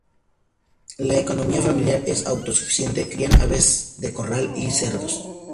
La economía familiar es auto-suficiente, crían aves de corral y cerdos.